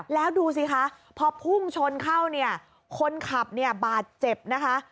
แล้วดูสิคะพอพุ่งชนเข้าคนขับบาดเจ็บนะคะ